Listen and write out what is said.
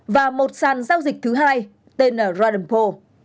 và một sàn giao dịch thứ hai tên là radenpo